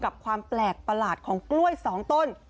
กับความแปลกประหลาดของกล้วย๒ต้น